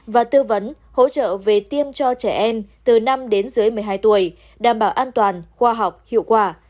và tư vấn hỗ trợ về tiêm cho trẻ em từ năm đến dưới một mươi hai tuổi đảm bảo an toàn khoa học hiệu quả